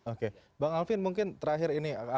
oke bang alvin mungkin terakhir ini